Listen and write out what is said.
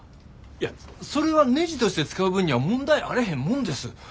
いやそれはねじとして使う分には問題あれへんもんです。